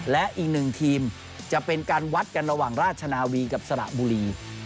และอีกหนึ่งทีมจะเป็นการวัดกันระหว่างราชนาวีกับสระบุรี